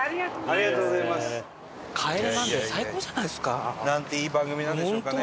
『帰れマンデー』最高じゃないですか。なんていい番組なんでしょうかね。